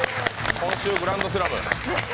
今週グランドスラム。